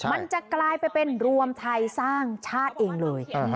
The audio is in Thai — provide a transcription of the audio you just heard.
มันจะกลายไปเป็นรวมไทยสร้างชาติเองเลย